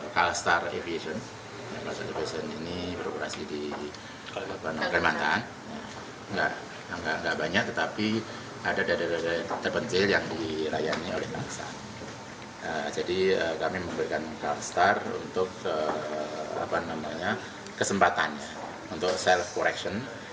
kementerian perhubungan tidak memberikan calstar untuk kesempatannya untuk self correction